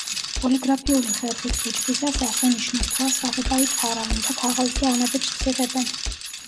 პოლიგრაფიული ხერხით ბეჭდვისას ასო-ნიშნის თვალს საღებავით ფარავენ და ქაღალდზე ანაბეჭდს იღებენ.